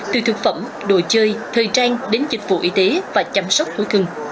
từ thực phẩm đồ chơi thời trang đến dịch vụ y tế và chăm sóc thú cưng